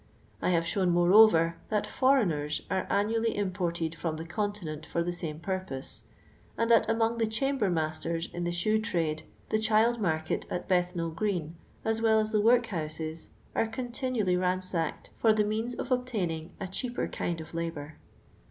I have shown, more over, that foreigners are annually imported from the Continent for the same purpose, and that among . the chamber masters in the shoe trade, the child : market at Bethnal irreen, as well as the work ' houses, ore continually ransacked for the means of obtaining a cheaper kind of labour.